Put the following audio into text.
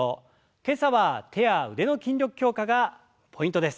今朝は手や腕の筋力強化がポイントです。